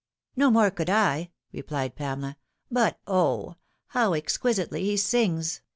" No more could I," replied Pamela ;" but O, how exquisitely he sings